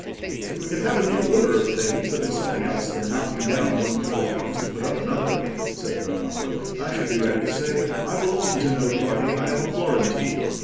"If we could have a new order of things that was something else than knocking down one coat of arms to put up another," said Bernardo, "I should be ready to say, 'I belong to no party: I am a Florentine.